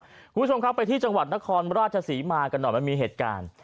คุณผู้ชมครับไปที่จังหวัดนครราชศรีมากันหน่อยมันมีเหตุการณ์